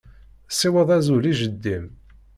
Ssiweḍ azul i jeddi-m.